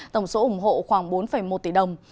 tổng số ủng hộ khoảng bốn một tỷ đồng